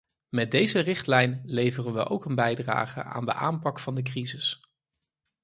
Met deze richtlijn leveren we ook een bijdrage aan de aanpak van de crisis.